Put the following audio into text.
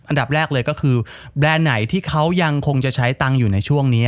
อันดับแรกเลยก็คือแบรนด์ไหนที่เขายังคงจะใช้ตังค์อยู่ในช่วงนี้